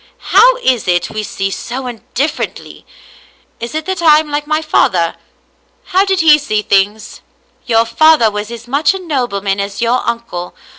How is it we see so differ ently ? Is it that I am like my father? How did he see things ?"" Your father was as much a nobleman as your uncle.